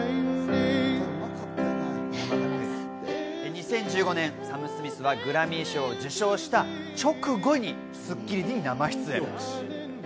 ２０１５年、サム・スミスはグラミー賞を受賞した直後に『スッキリ』に生出演。